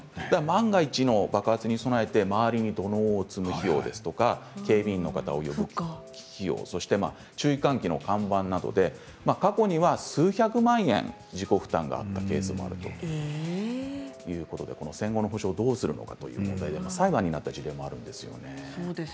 万が一の爆発に備えて土のうを置いたり警備員の方を呼んで注意喚起の看板などで過去には数百万円自己負担があったケースもあったということで戦後の補償をどうするのかという問題で裁判になった事例もあるんですよね。